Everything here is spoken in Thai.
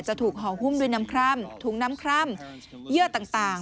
ถูกห่อหุ้มด้วยน้ำคร่ำถุงน้ำคร่ำเยื่อต่าง